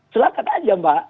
silahkan aja pak